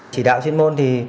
chỉ đạo chuyên môn thì